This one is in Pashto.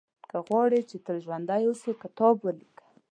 • که غواړې چې تل ژوندی اوسې، کتاب ولیکه.